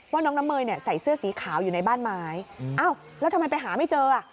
ว่าน้องน้ำเมยใส่เสื้อสีขาวอยู่ในบ้านไม้แล้วทำไมไปหาไม่เจอ